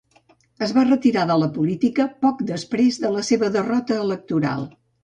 Es va retirar de la política poc després de la seva derrota electoral.